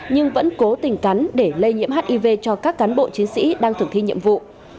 nhưng vẫn cố tình cắn để lây nhiễm hiv cho các cán bộ chiến sĩ đang thực thi nhiệm vụ